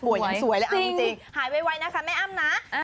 ป่วยสวยแล้วอ้ำจริงหายไวนะคะแม่อ้ำนะ